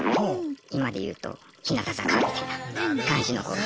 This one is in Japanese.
今で言うと日向坂みたいな感じの子が。